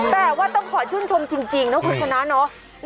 แต่ว่าต้องขอชื่นชมจริงนะคุณชนะเนาะ